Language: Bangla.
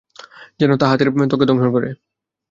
যেন তা হাতের ত্বককে দংশন করে।